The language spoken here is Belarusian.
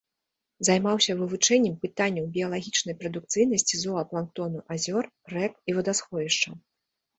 Займаўся вывучэннем пытанняў біялагічнай прадукцыйнасці зоапланктону азёр, рэк і вадасховішчаў.